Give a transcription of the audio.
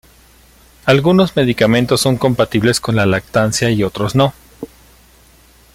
Algunos medicamentos son compatibles con la lactancia y otros no.